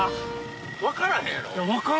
分からへんやろ？